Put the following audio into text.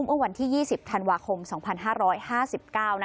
เมื่อวันที่๒๐ธันวาคม๒๕๕๙